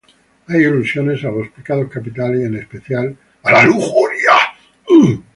Hay alusiones a los pecados capitales, en especial la lujuria y la gula.